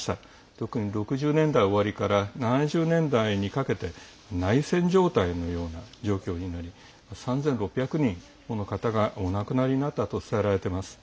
特に６０年代終わりから７０年代にかけて内戦状態のような状況になり、３６００人もの方がお亡くなりになったと伝えられています。